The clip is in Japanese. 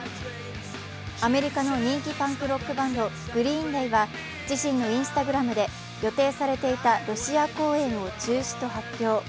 アメリカの人気パンクロックバンド、グリーン・デイは自身のＩｎｓｔａｇｒａｍで予定されていたロシア公演を中止と発表。